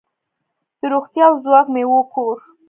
د روغتیا او ځواک میوو کور.